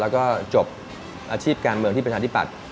แล้วก็จบอาชีพการเมืองที่ประชาธิปัตย์